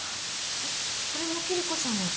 これもキリコさんが？